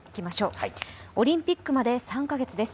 オリンピックまで３カ月です。